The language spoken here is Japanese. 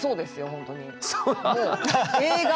本当に。